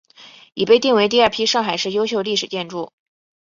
已被定为第二批上海市优秀历史建筑。